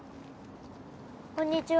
こんにちは。